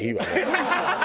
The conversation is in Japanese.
ハハハハ！